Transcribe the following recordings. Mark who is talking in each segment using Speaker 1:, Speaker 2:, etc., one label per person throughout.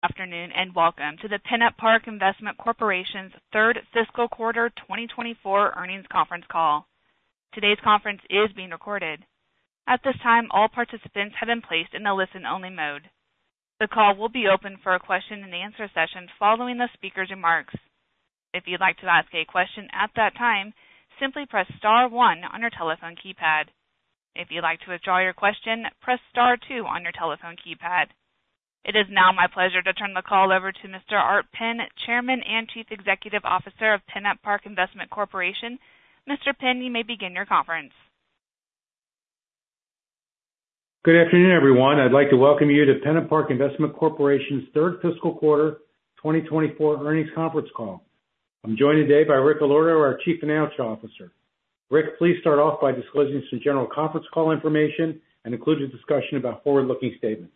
Speaker 1: Good afternoon, and welcome to the PennantPark Investment Corporation's third fiscal quarter 2024 earnings conference call. Today's conference is being recorded. At this time, all participants have been placed in a listen-only mode. The call will be open for a question-and-answer session following the speaker's remarks. If you'd like to ask a question at that time, simply press star one on your telephone keypad. If you'd like to withdraw your question, press star two on your telephone keypad. It is now my pleasure to turn the call over to Mr. Art Penn, Chairman and Chief Executive Officer of PennantPark Investment Corporation. Mr. Penn, you may begin your conference.
Speaker 2: Good afternoon, everyone. I'd like to welcome you to PennantPark Investment Corporation's third fiscal quarter 2024 earnings conference call. I'm joined today by Rick Allorto, our Chief Financial Officer. Rick, please start off by disclosing some general conference call information and include a discussion about forward-looking statements.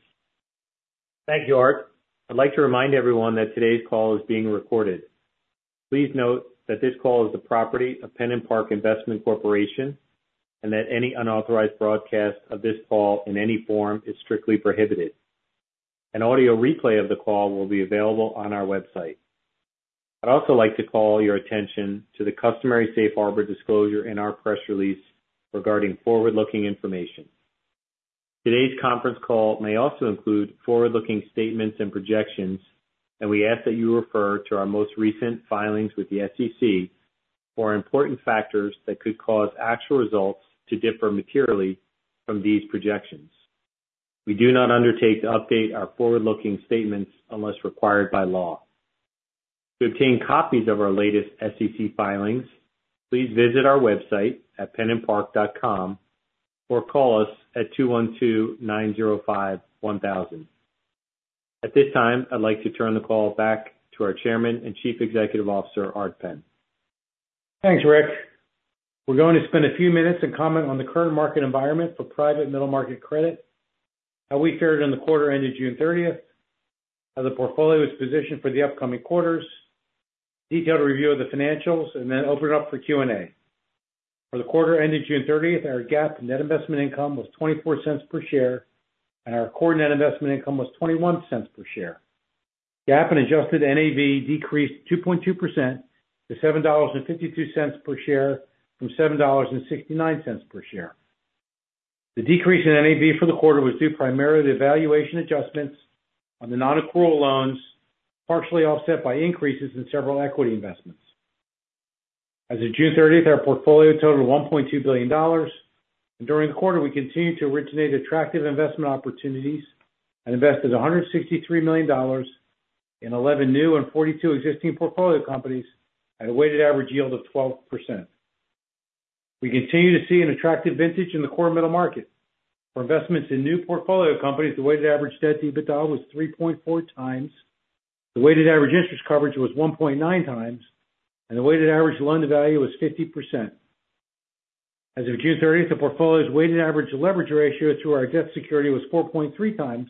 Speaker 3: Thank you, Art. I'd like to remind everyone that today's call is being recorded. Please note that this call is the property of PennantPark Investment Corporation, and that any unauthorized broadcast of this call in any form is strictly prohibited. An audio replay of the call will be available on our website. I'd also like to call your attention to the customary safe harbor disclosure in our press release regarding forward-looking information. Today's conference call may also include forward-looking statements and projections, and we ask that you refer to our most recent filings with the SEC for important factors that could cause actual results to differ materially from these projections. We do not undertake to update our forward-looking statements unless required by law. To obtain copies of our latest SEC filings, please visit our website at pennantpark.com or call us at 212-905-1000. At this time, I'd like to turn the call back to our Chairman and Chief Executive Officer, Art Penn.
Speaker 2: Thanks, Rick. We're going to spend a few minutes and comment on the current market environment for private middle-market credit, how we fared in the quarter ended June 30, how the portfolio is positioned for the upcoming quarters, detailed review of the financials, and then open it up for Q&A. For the quarter ended June 30, our GAAP net investment income was $0.24 per share, and our core net investment income was $0.21 per share. GAAP and adjusted NAV decreased 2.2% to $7.52 per share from $7.69 per share. The decrease in NAV for the quarter was due primarily to valuation adjustments on the nonaccrual loans, partially offset by increases in several equity investments. As of June 30, our portfolio totaled $1.2 billion, and during the quarter, we continued to originate attractive investment opportunities and invested $163 million in 11 new and 42 existing portfolio companies at a weighted average yield of 12%. We continue to see an attractive vintage in the core middle market. For investments in new portfolio companies, the weighted average debt to EBITDA was 3.4 times, the weighted average interest coverage was 1.9 times, and the weighted average loan to value was 50%. As of June 30, the portfolio's weighted average leverage ratio to our debt security was 4.3 times,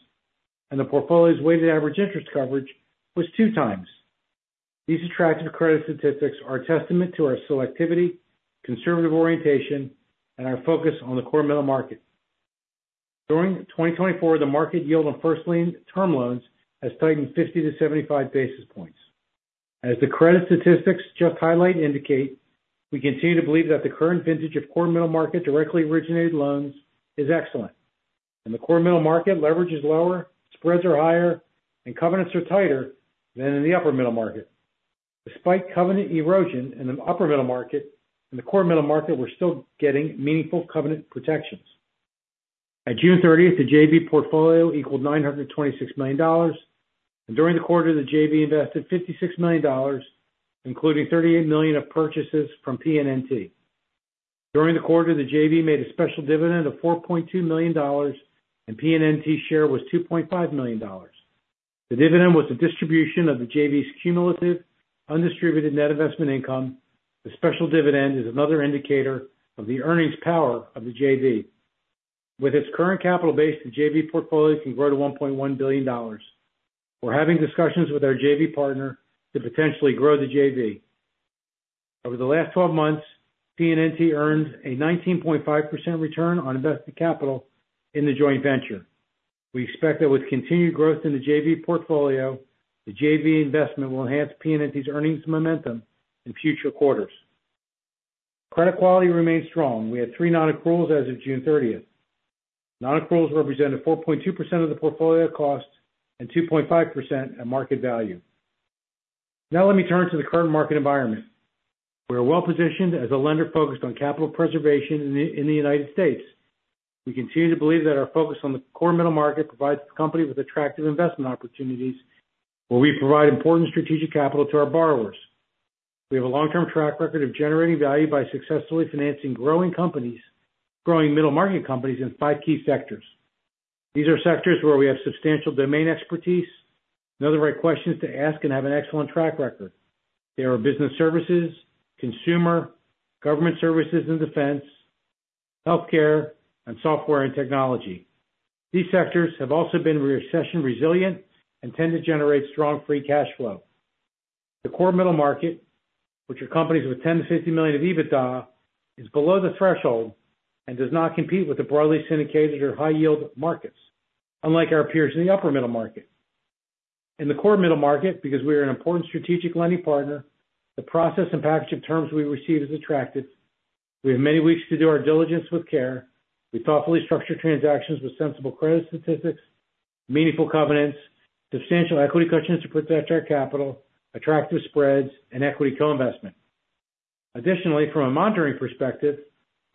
Speaker 2: and the portfolio's weighted average interest coverage was 2 times. These attractive credit statistics are a testament to our selectivity, conservative orientation, and our focus on the core middle market. During 2024, the market yield on first lien term loans has tightened 50-75 basis points. As the credit statistics just highlight and indicate, we continue to believe that the current vintage of core middle market directly originated loans is excellent. In the core middle market, leverage is lower, spreads are higher, and covenants are tighter than in the upper middle market. Despite covenant erosion in the upper middle market, in the core middle market, we're still getting meaningful covenant protections. At June 30, the JV portfolio equaled $926 million, and during the quarter, the JV invested $56 million, including $38 million of purchases from PNNT. During the quarter, the JV made a special dividend of $4.2 million, and PNNT's share was $2.5 million. The dividend was a distribution of the JV's cumulative undistributed net investment income. The special dividend is another indicator of the earnings power of the JV. With its current capital base, the JV portfolio can grow to $1.1 billion. We're having discussions with our JV partner to potentially grow the JV. Over the last 12 months, PNNT earned a 19.5% return on invested capital in the joint venture. We expect that with continued growth in the JV portfolio, the JV investment will enhance PNNT's earnings momentum in future quarters. Credit quality remains strong. We had 3 nonaccruals as of June 30th. Nonaccruals represented 4.2% of the portfolio cost and 2.5% at market value. Now let me turn to the current market environment. We are well-positioned as a lender focused on capital preservation in the United States. We continue to believe that our focus on the core middle market provides the company with attractive investment opportunities, where we provide important strategic capital to our borrowers. We have a long-term track record of generating value by successfully financing growing companies, growing middle-market companies in five key sectors. These are sectors where we have substantial domain expertise, know the right questions to ask, and have an excellent track record. They are business services, consumer, government services and defense, healthcare, and software and technology. These sectors have also been recession resilient and tend to generate strong free cash flow. The core middle market, which are companies with 10-50 million of EBITDA, is below the threshold and does not compete with the broadly syndicated or high-yield markets, unlike our peers in the upper middle market. In the core middle market, because we are an important strategic lending partner, the process and package of terms we receive is attractive. We have many weeks to do our diligence with care. We thoughtfully structure transactions with sensible credit statistics, meaningful covenants, substantial equity cushions to protect our capital, attractive spreads, and equity co-investment. Additionally, from a monitoring perspective,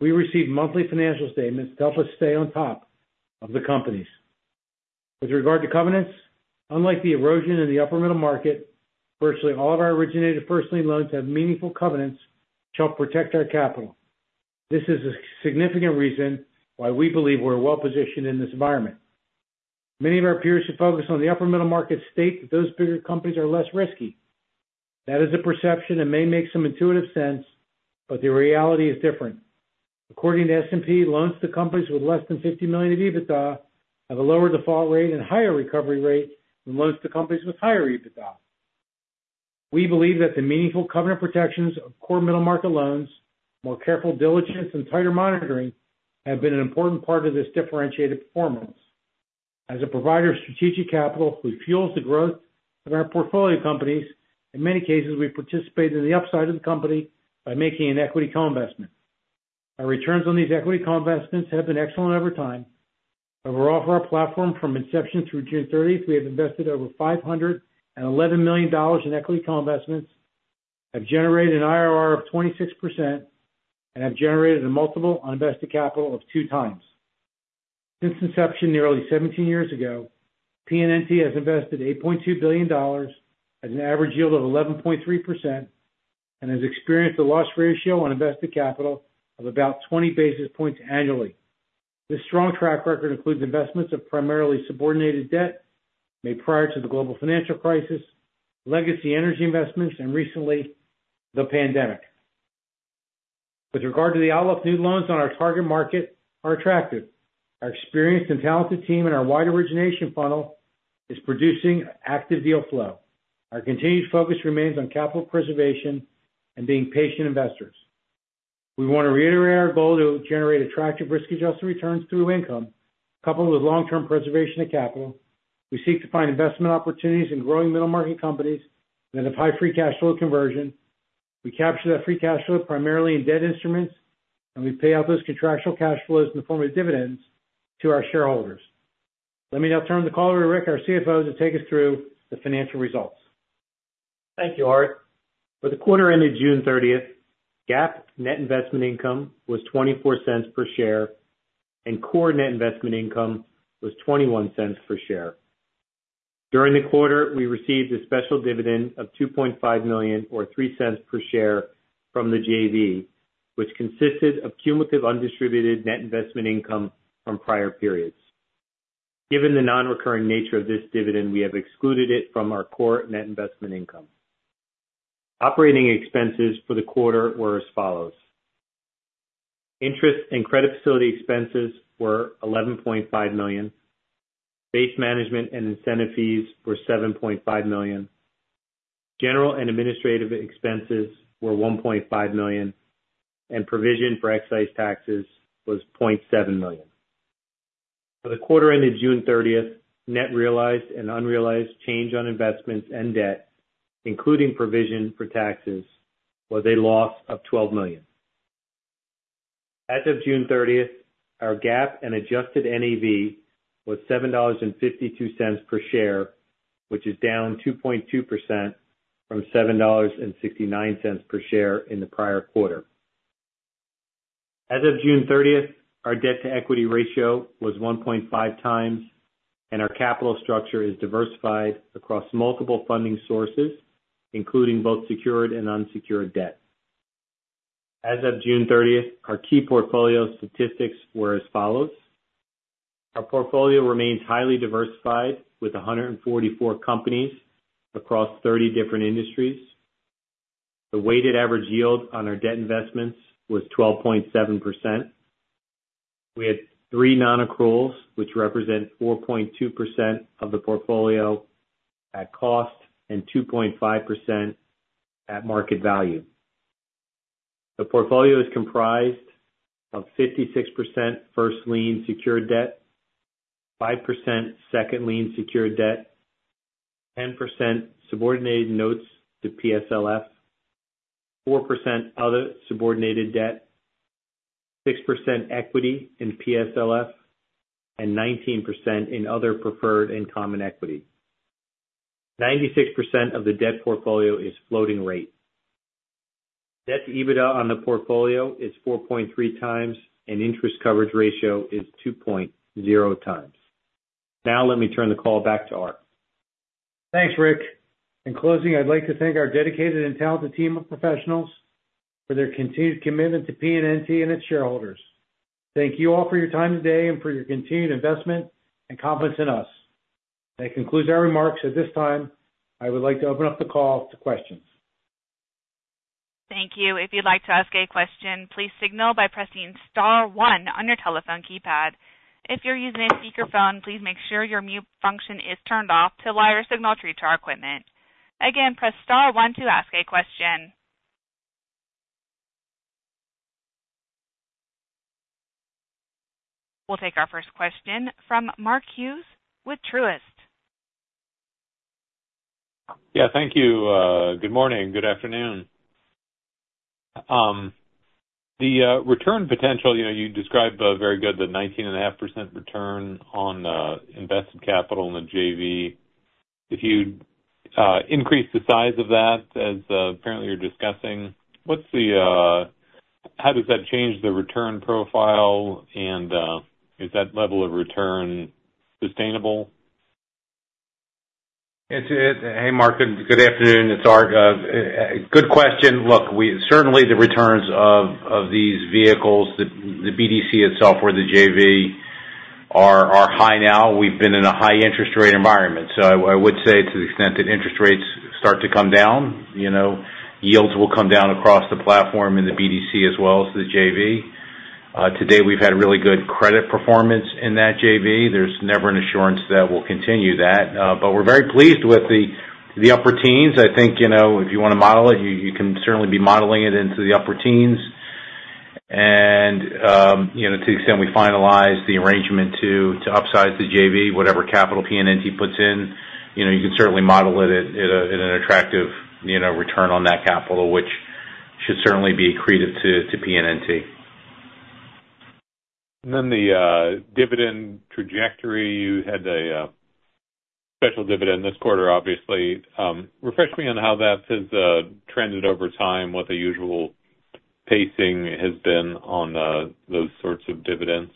Speaker 2: we receive monthly financial statements to help us stay on top of the companies. With regard to covenants, unlike the erosion in the upper middle market, virtually all of our originated first lien loans have meaningful covenants to help protect our capital. This is a significant reason why we believe we're well-positioned in this environment. Many of our peers who focus on the upper middle market state that those bigger companies are less risky. That is a perception that may make some intuitive sense, but the reality is different. According to S&P, loans to companies with less than $50 million of EBITDA have a lower default rate and higher recovery rate than loans to companies with higher EBITDA. We believe that the meaningful covenant protections of core middle market loans, more careful diligence, and tighter monitoring have been an important part of this differentiated performance. As a provider of strategic capital, who fuels the growth of our portfolio companies, in many cases, we participate in the upside of the company by making an equity co-investment. Our returns on these equity co-investments have been excellent over time, and from our platform's inception through June 30th, we have invested over $511 million in equity co-investments, have generated an IRR of 26%, and have generated a multiple on invested capital of 2x. Since inception, nearly 17 years ago, PNNT has invested $8.2 billion at an average yield of 11.3% and has experienced a loss ratio on invested capital of about 20 basis points annually. This strong track record includes investments of primarily subordinated debt made prior to the global financial crisis, legacy energy investments, and recently, the pandemic. With regard to the outlook, new loans on our target market are attractive. Our experienced and talented team and our wide origination funnel is producing active deal flow. Our continued focus remains on capital preservation and being patient investors. We want to reiterate our goal to generate attractive risk-adjusted returns through income, coupled with long-term preservation of capital. We seek to find investment opportunities in growing middle-market companies that have high free cash flow conversion. We capture that free cash flow primarily in debt instruments, and we pay out those contractual cash flows in the form of dividends to our shareholders. Let me now turn the call over to Rick, our CFO, to take us through the financial results.
Speaker 3: Thank you, Art. For the quarter ended June 30th, GAAP net investment income was $0.24 per share, and core net investment income was $0.21 per share. During the quarter, we received a special dividend of $2.5 million or $0.03 per share from the JV, which consisted of cumulative undistributed net investment income from prior periods. Given the non-recurring nature of this dividend, we have excluded it from our core net investment income. Operating expenses for the quarter were as follows: interest and credit facility expenses were $11.5 million, base management and incentive fees were $7.5 million, general and administrative expenses were $1.5 million, and provision for excise taxes was $0.7 million. For the quarter ended June 30th, net realized and unrealized change on investments and debt, including provision for taxes, was a loss of $12 million. As of June thirtieth, our GAAP and adjusted NAV was $7.52 per share, which is down 2.2% from $7.69 per share in the prior quarter. As of June thirtieth, our debt-to-equity ratio was 1.5 times, and our capital structure is diversified across multiple funding sources, including both secured and unsecured debt. As of June thirtieth, our key portfolio statistics were as follows: Our portfolio remains highly diversified, with 144 companies across 30 different industries. The weighted average yield on our debt investments was 12.7%. We had three nonaccruals, which represent 4.2% of the portfolio at cost and 2.5% at market value. The portfolio is comprised of 56% first-lien secured debt, 5% second-lien secured debt, 10% subordinated notes to PSLF, 4% other subordinated debt, 6% equity in PSLF, and 19% in other preferred and common equity. 96% of the debt portfolio is floating rate. Debt-to-EBITDA on the portfolio is 4.3 times, and interest coverage ratio is 2.0 times. Now, let me turn the call back to Art.
Speaker 2: Thanks, Rick. In closing, I'd like to thank our dedicated and talented team of professionals for their continued commitment to PNNT and its shareholders. Thank you all for your time today and for your continued investment and confidence in us. That concludes our remarks. At this time, I would like to open up the call to questions.
Speaker 1: Thank you. If you'd like to ask a question, please signal by pressing star one on your telephone keypad. If you're using a speakerphone, please make sure your mute function is turned off to allow your signal to reach our equipment. Again, press star one to ask a question. We'll take our first question from Mark Hughes with Truist.
Speaker 4: Yeah, thank you. Good morning. Good afternoon. The return potential, you know, you described very good, the 19.5% return on invested capital in the JV. If you increase the size of that, as apparently you're discussing, what's the how does that change the return profile, and is that level of return sustainable?
Speaker 2: Hey, Mark, good afternoon. It's Art. Good question. Look, we certainly, the returns of these vehicles, the BDC itself or the JV, are high now. We've been in a high interest rate environment. So I would say to the extent that interest rates start to come down, you know, yields will come down across the platform in the BDC as well as the JV. Today, we've had really good credit performance in that JV. There's never an assurance that we'll continue that, but we're very pleased with the upper teens. I think, you know, if you want to model it, you can certainly be modeling it into the upper teens. To the extent we finalize the arrangement to upsize the JV, whatever capital PNNT puts in, you can certainly model it at an attractive, return on that capital, which should certainly be accretive to PNNT.
Speaker 4: Then the dividend trajectory, you had a special dividend this quarter, obviously. Refresh me on how that has trended over time, what the usual pacing has been on those sorts of dividends.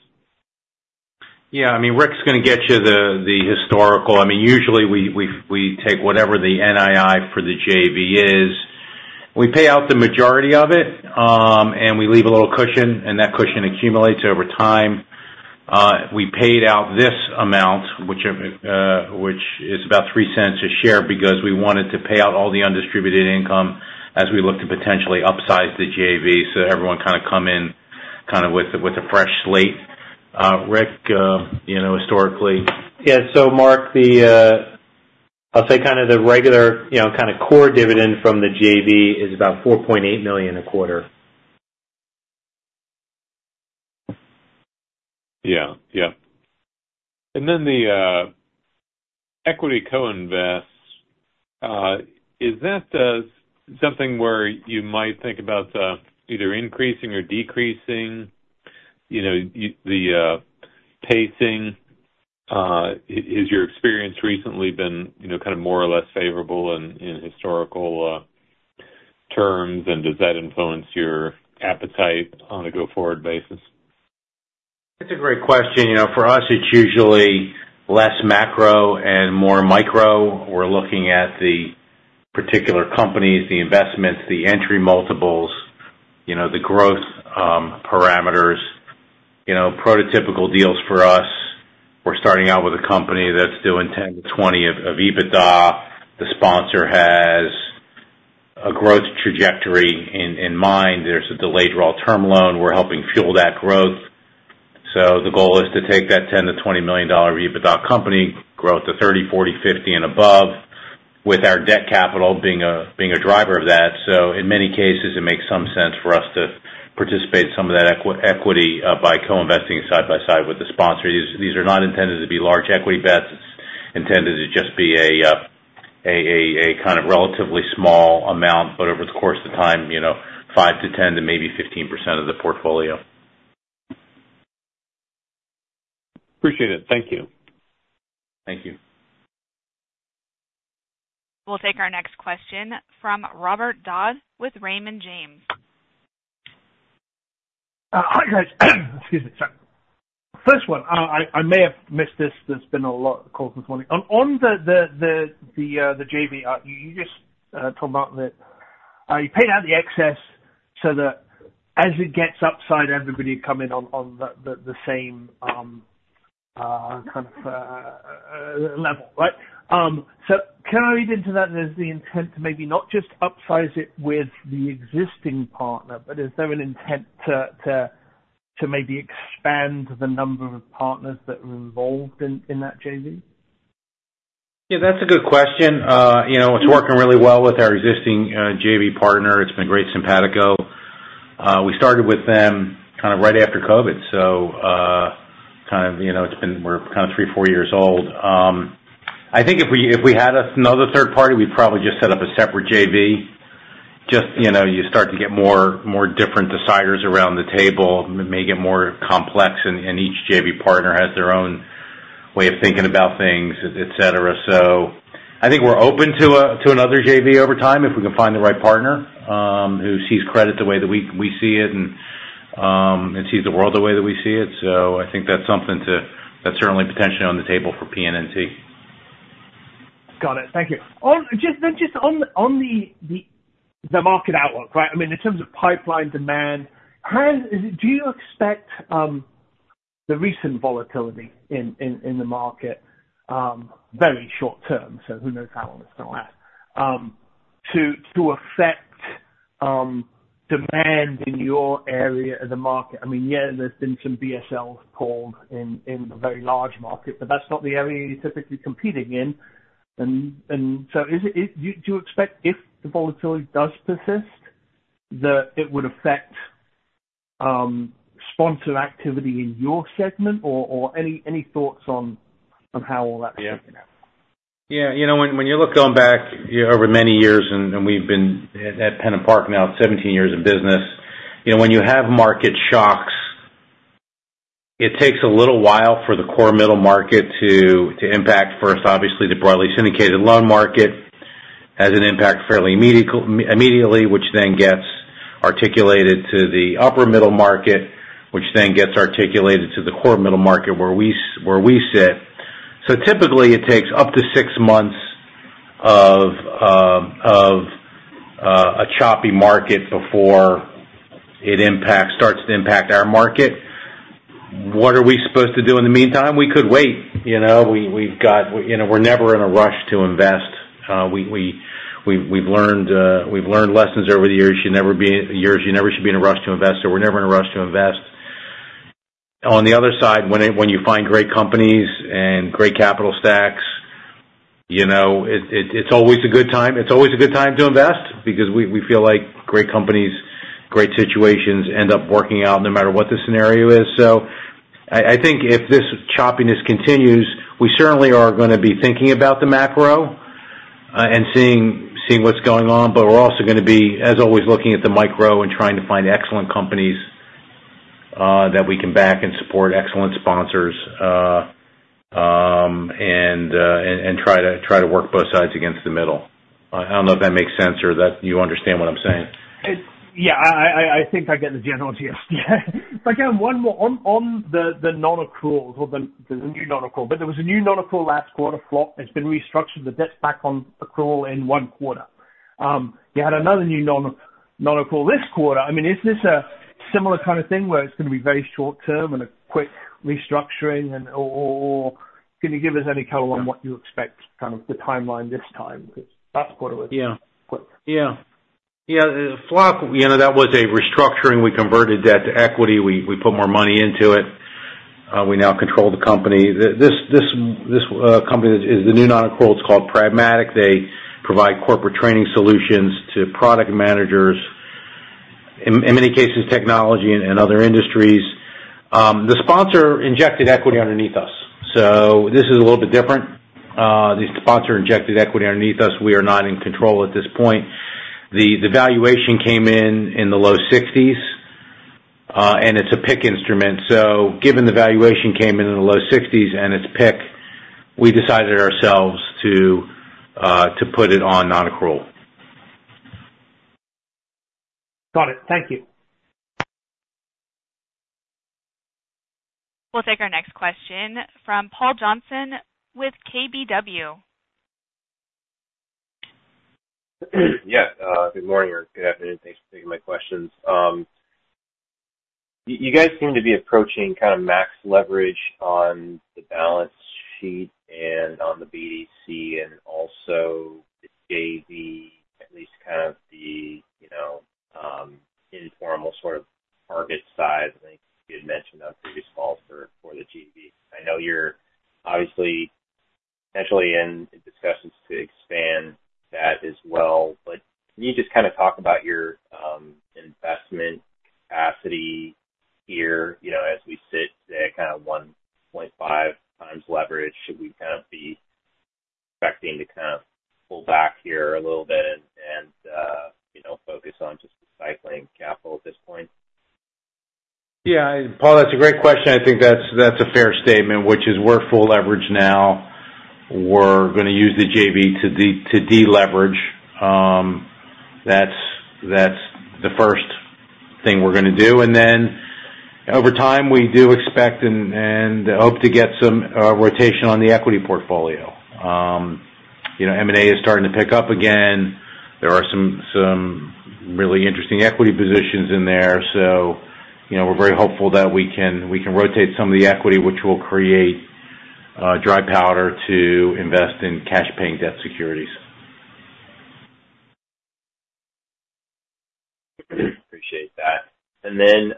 Speaker 2: Yeah, I mean, Rick's going to get you the historical. I mean, usually we take whatever the NII for the JV is. We pay out the majority of it, and we leave a little cushion, and that cushion accumulates over time. We paid out this amount, which is about $0.03 a share, because we wanted to pay out all the undistributed income as we look to potentially upsize the JV, so everyone come in with a fresh slate. Rick historically.
Speaker 3: Yeah, so Mark, I'll say the regular, core dividend from the JV is about $4.8 million a quarter.
Speaker 4: Yeah. Then the equity co-invest, is that something where you might think about either increasing or decreasing, you know, the pacing? Has your experience recently been, you know, more or less favourable in historical terms, and does that influence your appetite on a go-forward basis?
Speaker 2: That's a great question. You know, for us, it's usually less macro and more micro. We're looking at the particular companies, the investments, the entry multiples, you know, the growth parameters. You know, prototypical deals for us, we're starting out with a company that's doing 10-20 of EBITDA. The sponsor has a growth trajectory in mind. There's a delayed draw term loan. We're helping fuel that growth. The goal is to take that $10-$20 million EBITDA company, grow it to $30 million, $40 million, $50 million and above, with our debt capital being a driver of that. In many cases, it makes some sense for us to participate some of that equity by co-investing side by side with the sponsor. These are not intended to be large equity bets. It's intended to just be a relatively small amount, but over the course of time, you know, 5%-10% to maybe 15% of the portfolio.
Speaker 4: Appreciate it. Thank you.
Speaker 2: Thank you.
Speaker 1: We'll take our next question from Robert Dodd with Raymond James. Hi, guys. Excuse the sorry. First one, I may have missed this. There's been a lot of calls this morning. On the JV, you just talked about that. You paid out the excess so that as it gets upside, everybody would come in on the same level, right? Can I read into that as the intent to maybe not just upsize it with the existing partner, but is there an intent to maybe expand the number of partners that are involved in that JV?
Speaker 2: Yeah, that's a good question. You know, it's working really well with our existing JV partner. It's been great simpatico. We started with them right after COVID. It's been 3, 4 years old. I think if we, if we had a another third party, we'd probably just set up a separate JV. Just, you start to get more, more different deciders around the table. It may get more complex, and each JV partner has their own way of thinking about things, et cetera. I think we're open to a to another JV over time, if we can find the right partner, who sees credit the way that we see it, and sees the world the way that we see it. I think that's something that's certainly potentially on the table for PNNT.
Speaker 5: Got it. Thank you. Just on the market outlook, right? I mean, in terms of pipeline demand, how is it do you expect the recent volatility in the market, very short term, so who knows how long it's going to last? To affect demand in your area of the market. There's been some BSLs pulled in the very large market, but that's not the area you're typically competing in. Is it do you expect, if the volatility does persist, that it would affect sponsor activity in your segment, or any thoughts on how all that's going to happen?
Speaker 2: Yeah. When you look going back, over many years, and we've been at PennantPark now 17 years in business, when you have market shocks, it takes a little while for the core middle market to impact. First, obviously, the broadly syndicated loan market has an impact fairly immediately, which then gets articulated to the upper middle market, which then gets articulated to the core middle market, where we sit. Typically, it takes up to 6 months of a choppy market before it starts to impact our market. What are we supposed to do in the meantime? We could wait, we're never in a rush to invest. We, we've learned lessons over the years. You never should be in a rush to invest, so we're never in a rush to invest. On the other side, when you find great companies and great capital stacks, you know, it's always a good time. It's always a good time to invest because we feel like great companies, great situations end up working out no matter what the scenario is. I think if this choppiness continues, we certainly are going to be thinking about the macro and seeing what's going on. We're also going to be, as always, looking at the micro and trying to find excellent companies that we can back and support excellent sponsors and try to work both sides against the middle. I don't know if that makes sense or that you understand what I'm saying.
Speaker 5: It's yeah, I think I get the general idea. But again, one more. On the nonaccrual or the new nonaccrual, but there was a new nonaccrual last quarter, Flock. It's been restructured, the debt's back on accrual in one quarter. You had another new nonaccrual this quarter. I mean, is this a similar thing where it's going to be very short term and a quick restructuring and can you give us any color on what you expect, the timeline this time? Last quarter was quick.
Speaker 2: Yeah. Yeah, Flock that was a restructuring. We converted debt to equity. We put more money into it. We now control the company. This company is the new non-accrual. It's called Pragmatic. They provide corporate training solutions to product managers, in many cases, technology and other industries. The sponsor injected equity underneath us, so this is a little bit different. The sponsor injected equity underneath us. We are not in control at this point. The valuation came in in the low sixties, and it's a PIK instrument. Given the valuation came in in the low sixties and it's PIK, we decided ourselves to put it on non-accrual.
Speaker 5: Got it. Thank you.
Speaker 1: We'll take our next question from Paul Johnson with KBW. Yeah, good morning or good afternoon. Thanks for taking my questions. You guys seem to be approaching max leverage on the balance sheet and on the BDC and also the JV, at least informal target size. I think you had mentioned on previous calls for the JV. I know you're obviously potentially in discussions to expand that as well, but can you just talk about your investment capacity here, as we sit today at 1.5 times leverage? Should we be expecting to pull back here a little bit and you know focus on just recycling capital at this point?
Speaker 2: Yeah, Paul, that's a great question. I think that's a fair statement, which is we're full leverage now. We're gonna use the JV to de-leverage. That's the first thing we're going to do, and then over time, we do expect and hope to get some rotation on the equity portfolio. You know, M&A is starting to pick up again. There are some really interesting equity positions in there. We're very hopeful that we can rotate some of the equity, which will create dry powder to invest in cash-paying debt securities.
Speaker 6: Appreciate that. Then,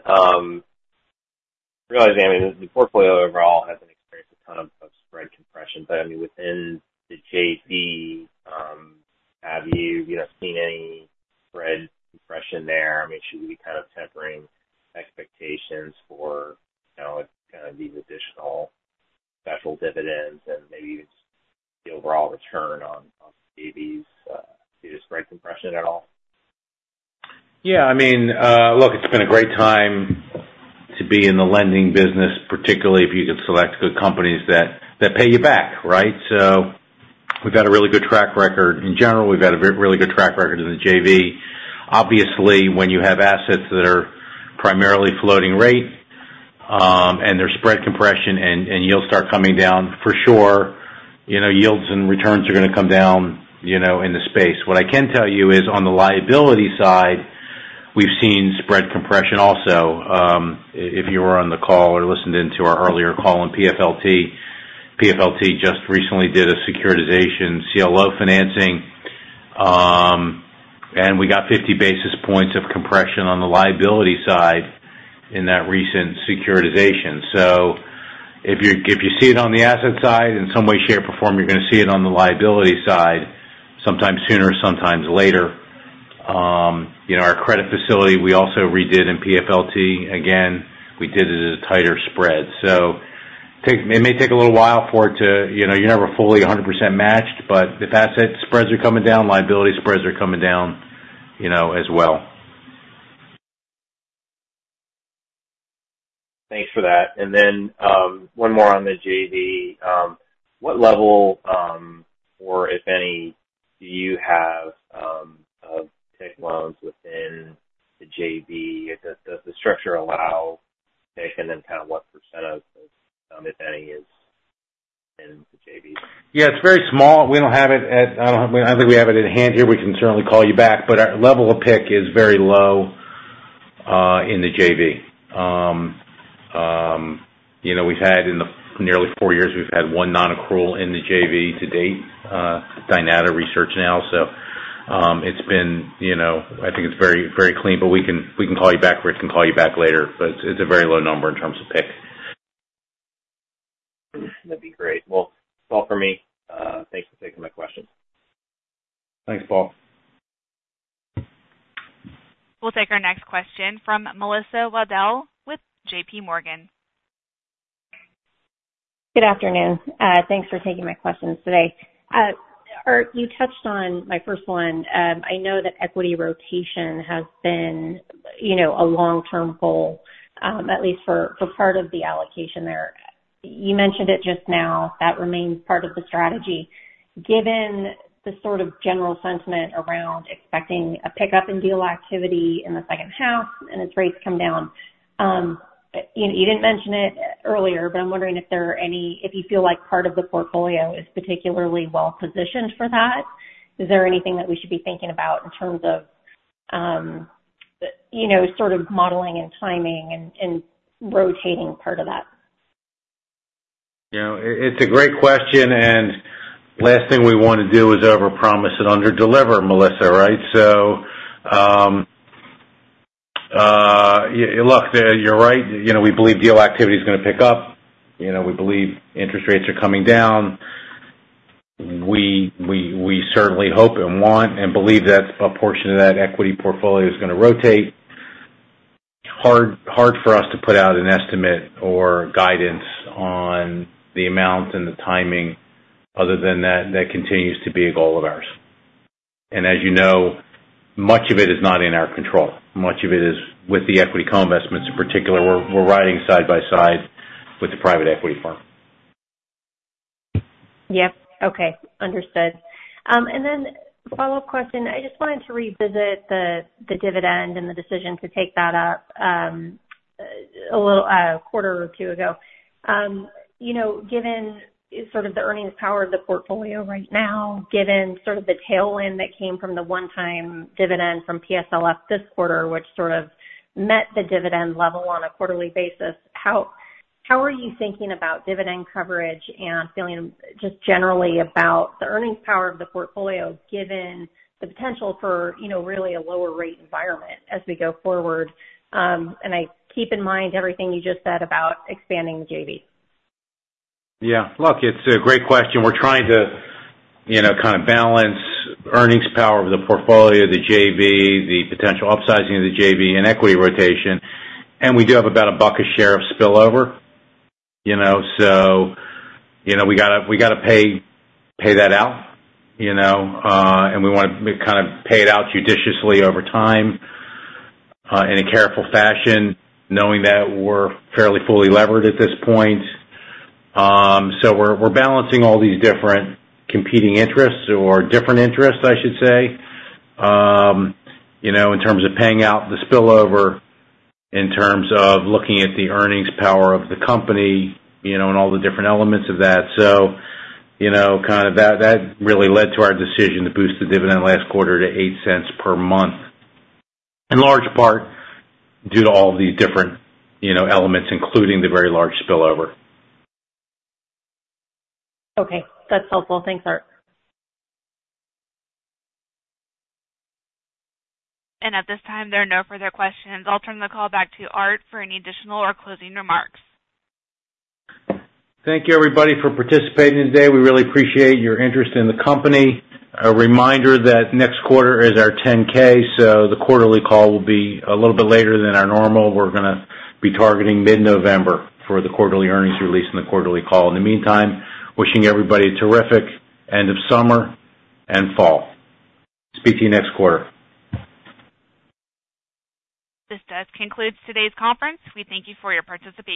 Speaker 6: realizing, I mean, the portfolio overall hasn't experienced a ton of spread compression, but, I mean, within the JV, have you, you know, seen any spread compression there? I mean, should we be tempering expectations for, these additional special dividends and maybe the overall return on JVs, see the spread compression at all?
Speaker 2: Yeah, I mean, look, it's been a great time to be in the lending business, particularly if you can select good companies that, that pay you back, right? So we've got a really good track record. In general, we've got a really good track record in the JV. Obviously, when you have assets that are primarily floating rate, and there's spread compression and yields start coming down, for sure, yields and returns are going to come down, in the space. What I can tell you is, on the liability side. We've seen spread compression also. If you were on the call or listened in to our earlier call on PFLT, PFLT just recently did a securitization CLO financing, and we got 50 basis points of compression on the liability side in that recent securitization. If you see it on the asset side, in some way, shape, or form, you're gonna see it on the liability side, sometimes sooner, sometimes later. You know, our credit facility, we also redid in PFLT. Again, we did it as a tighter spread. It may take a little while for it to, you're never fully 100% matched, but if asset spreads are coming down, liability spreads are coming down as well.
Speaker 6: Thanks for that. Then, one more on the JV. What level, or if any, do you have of PIC loans within the JV? Does the structure allow PIC, and then what percent of, if any, is in the JV?
Speaker 2: Yeah, it's very small. I don't have, I don't think we have it in hand here. We can certainly call you back, but our level of PIC is very low in the JV. You know, we've had in the nearly four years, we've had one nonaccrual in the JV to date, Dynata now. So, it's been, you know. I think it's very, very clean, but we can, we can call you back, or we can call you back later. But it's a very low number in terms of PIC.
Speaker 6: That'd be great. Well, that's all for me. Thanks for taking my questions.
Speaker 2: Thanks, Paul.
Speaker 1: We'll take our next question from Melissa Wedel with J.P. Morgan. Good afternoon. Thanks for taking my questions today. Art, you touched on my first one. I know that equity rotation has been, you know, a long-term goal, at least for part of the allocation there. You mentioned it just now. That remains part of the strategy. Given the general sentiment around expecting a pickup in deal activity in the second half, and as rates come down, you didn't mention it earlier, but I'm wondering if there are any if you feel like part of the portfolio is particularly well positioned for that. Is there anything that we should be thinking about in terms of modelling and timing and rotating part of that?
Speaker 2: it's a great question, and last thing we want to do is overpromise and underdeliver, Melissa, right? So, yeah, look, you're right. We believe deal activity is going to pick up. We believe interest rates are coming down. We certainly hope and want and believe that a portion of that equity portfolio is going to rotate. Hard for us to put out an estimate or guidance on the amount and the timing other than that continues to be a goal of ours. As you know, much of it is not in our control. Much of it is with the equity co-investments in particular, we're riding side by side with the private equity firm.
Speaker 7: Yep. Okay, understood. And then a follow-up question. I just wanted to revisit the dividend and the decision to take that up a little a quarter or two ago. You know, given the earnings power of the portfolio right now, given the tailwind that came from the one-time dividend from PSLF this quarter, which met the dividend level on a quarterly basis, how are you thinking about dividend coverage and feeling just generally about the earnings power of the portfolio, given the potential for, you know, really a lower rate environment as we go forward? And I keep in mind everything you just said about expanding the JV.
Speaker 2: Yeah. Look, it's a great question. We're trying to, you know, balance earnings power of the portfolio, the JV, the potential upsizing of the JV and equity rotation, and we do have about $1 a share of spillover, we going to pay that out, and we want to pay it out judiciously over time, in a careful fashion, knowing that we're fairly fully levered at this point. We're balancing all these different competing interests or different interests, I should say, In terms of paying out the spillover, in terms of looking at the earnings power of the company and all the different elements of that. That really led to our decision to boost the dividend last quarter to $0.08 per month. In large part, due to all these different, you know, elements, including the very large spillover.
Speaker 7: Okay. That's helpful. Thanks, Art.
Speaker 1: At this time, there are no further questions. I'll turn the call back to Art for any additional or closing remarks.
Speaker 2: Thank you, everybody, for participating today. We really appreciate your interest in the company. A reminder that next quarter is our 10-K, so the quarterly call will be a little bit later than our normal. We're going to be targeting mid-November for the quarterly earnings release and the quarterly call. In the meantime, wishing everybody a terrific end of summer and fall. Speak to you next quarter.
Speaker 1: This does conclude today's conference. We thank you for your participation.